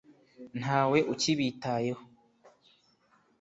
Ntawe ukibitayeho